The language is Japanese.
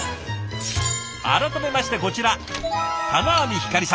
改めましてこちら田名網ひかりさん。